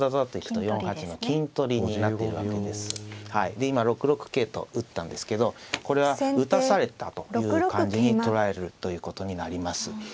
で今６六桂と打ったんですけどこれは打たされたという感じに捉えるということになります。